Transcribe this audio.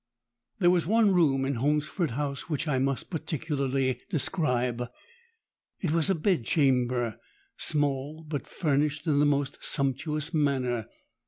"There was one room in Holmesford House which I must particularly describe. It was a bed chamber—small, but furnished in the most sumptuous manner.